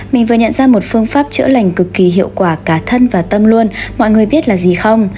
mình vừa nhận ra một phương pháp chữa lành cực kỳ hiệu quả cả thân và tâm luôn mọi người biết là gì không